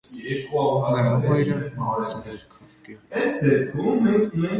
Նրա մայրը մահացել է քաղցկեղից։